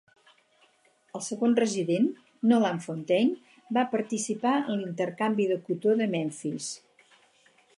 El segon resident, Noland Fontaine, va participar en l'intercanvi de cotó de Memphis.